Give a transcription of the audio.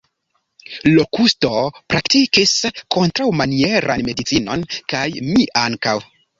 Lokusto praktikis kontraŭmanieran medicinon, kaj mi ankaŭ.